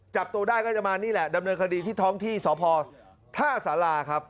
จับตัวได้ก็จะมานี่แหละดำเนินคดีที่ท้องที่สพท่าสาราครับ